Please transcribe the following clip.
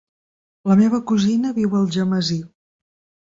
La meva cosina viu a Algemesí.